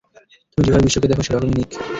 তুমি যেভাবে বিশ্বকে দেখ সেরকমই, নিক।